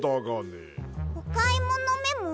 おかいものメモ？